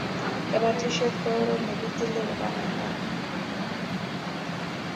kabatishiet ko oret nekitile bananda